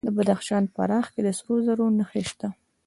د بدخشان په راغ کې د سرو زرو نښې شته.